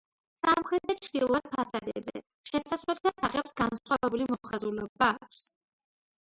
სამხრეთ და ჩრდილოეთ ფასადებზე შესასვლელთა თაღებს განსხვავებული მოხაზულობა აქვს.